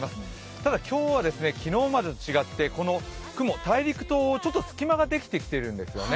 ただ、今日は今日までと違ってこの雲、大陸とちょっとすき間ができてきているんですね。